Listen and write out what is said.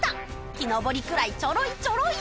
木登りくらいちょろいちょろい。